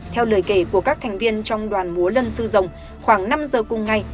theo lời kể của các thành viên trong đoàn múa lân sư rồng khoảng năm giờ cùng ngày